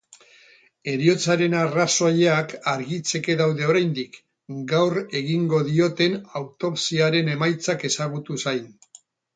Heriotzaren arrazoiak argitzeke daude oraindik, gaur egingo dioten autopsiaren emaitzak ezagutu zain.